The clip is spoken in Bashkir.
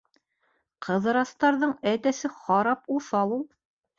Ҡыҙырастарҙың әтәсе харап уҫал ул.